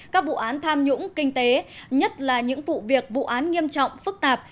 các vụ án tham nhũng kinh tế nhất là những vụ việc vụ án nghiêm trọng phức tạp